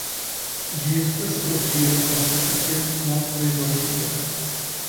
Ĝi estas pro tio klasita kiel "Malplej Zorgiga".